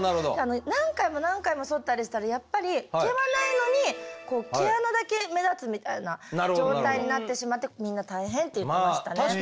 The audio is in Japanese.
何回も何回もそったりしたらやっぱり毛はないのに毛穴だけ目立つみたいな状態になってしまってみんな大変って言ってましたね。